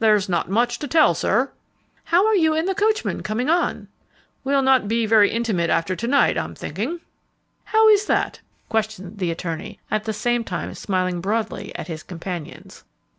"There's not much to tell, sir." "How are you and the coachman coming on?" "We'll not be very intimate after to night, I'm thinking." "How is that?" questioned the attorney, at the same time smiling broadly at his companions.